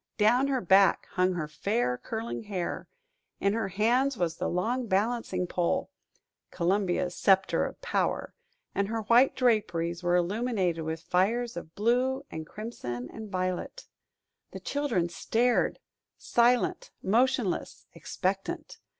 Down her back hung her fair curling hair; in her hands was the long balancing pole Columbia's scepter of power; and her white draperies were illuminated with fires of blue and crimson and violet. The children stared, silent, motionless, expectant.